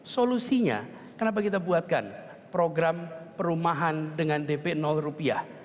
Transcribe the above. solusinya kenapa kita buatkan program perumahan dengan dp rupiah